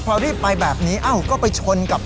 พอรีบไปแบบนี้เอ้าก็ไปชนกับ